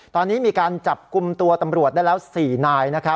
ตอนนี้มีการจับกลุ่มตัวตำรวจได้แล้ว๔นาย